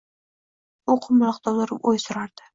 U qumloqda o‘tirib o‘y surardi: